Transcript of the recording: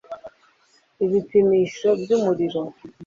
ibipimisho by’umuriro